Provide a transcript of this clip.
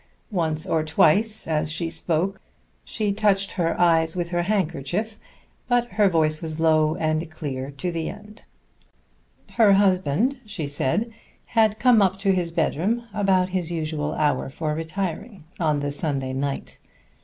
Once or twice as she spoke she touched her eyes with her handkerchief, but her voice was low and clear to the end. Her husband, she said, had come up to his bedroom about his usual hour for retiring on the Sunday night.